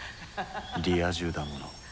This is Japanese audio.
リア充だもの。